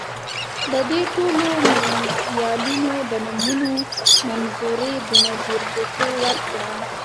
د دې ټولو میزایلونو د نومونو منظوري بېنظیر بوټو ورکړه.